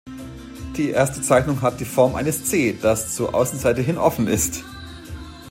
Die erste Zeichnung hat die Form eines C, das zur Außenseite hin offen ist.